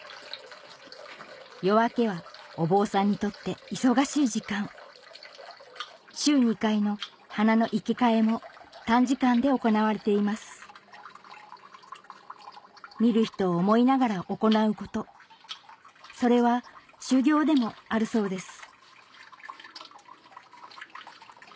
夜明けはお坊さんにとって忙しい時間短時間で行われています見る人を思いながら行うことそれは修行でもあるそうです